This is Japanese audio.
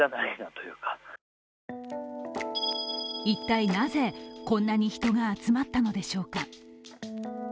一体なぜ、こんなに人が集まったのでしょうか。